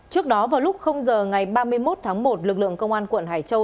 trước đó vào lúc giờ ngày ba mươi một tháng một lực lượng công an quận hải châu